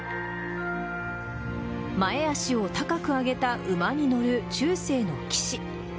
前足を高く上げた馬に乗る中世の騎士。